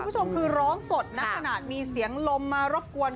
คุณผู้ชมคือร้องสดนะขนาดมีเสียงลมมารบกวน